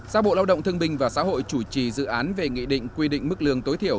giao bộ lao động thương binh và xã hội chủ trì dự án về nghị định quy định mức lương tối thiểu